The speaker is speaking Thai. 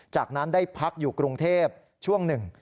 จากนั้นได้พักอยู่กรุงเทพช่วงหนึ่ง